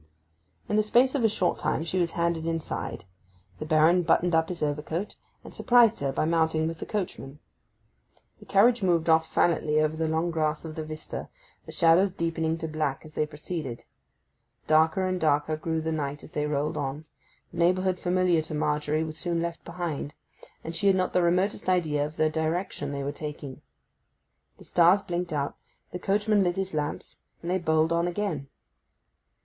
In the space of a short minute she was handed inside; the Baron buttoned up his overcoat, and surprised her by mounting with the coachman. The carriage moved off silently over the long grass of the vista, the shadows deepening to black as they proceeded. Darker and darker grew the night as they rolled on; the neighbourhood familiar to Margery was soon left behind, and she had not the remotest idea of the direction they were taking. The stars blinked out, the coachman lit his lamps, and they bowled on again.